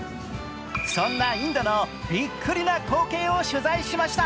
そんなインドのびっくりな光景を取材しました。